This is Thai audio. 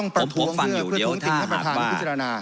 ผมฟังอยู่เดียวถ้าหากว่า